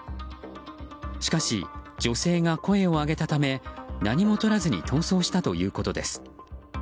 しかし、女性が声を上げたため何もとらずに逃走したということです。